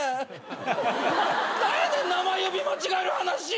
何やねん名前呼び間違える話。